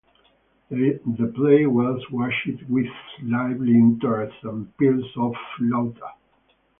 The play was watched with lively interest and peals of laughter.